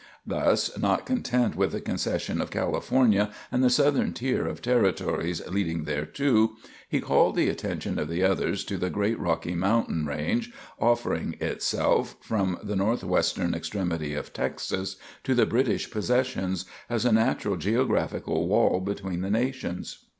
Thus, not content with the concession of California and the southern tier of Territories leading thereto, he called the attention of the others to the great Rocky Mountain range, offering itself, from the north western extremity of Texas to the British possessions, as a natural geographical wall between nations.